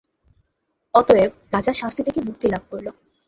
অতএব, রাজা শাস্তি থেকে মুক্তিলাভ করল।